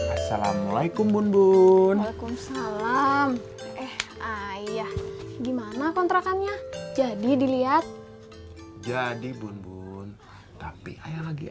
assalamualaikum bun bun waalaikumsalam eh ayah gimana kontrakannya jadi dilihat jadi bun tapi lagi